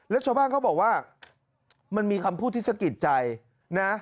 แล้วชาวบ้านเขาบอกว่ามันมีคำพูดที่สะกิดใจนะ